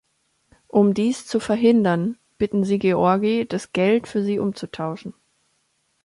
Um dies zu verhindern, bitten sie Georgie, das Geld für sie umzutauschen.